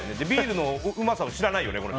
ビールのうまさを知らないよね。